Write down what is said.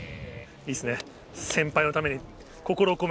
いいっすね。